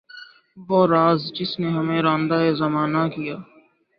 وہ راز جس نے ہمیں راندۂ زمانہ کیا